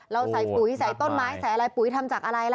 เราใส่ปุ๋ยใส่ต้นไม้ใส่อะไรปุ๋ยทำจากอะไรล่ะ